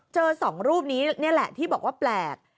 เจอสองรูปนี้แหละคือที่บอกว่าแปลก